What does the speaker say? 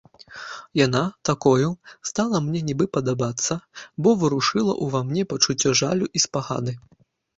Яна, такою, стала мне нібы падабацца, бо варушыла ўва мне пачуццё жалю і спагады.